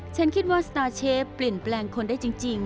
ฉันคิดว่าสตาร์เชฟเปลี่ยนแปลงคนได้จริง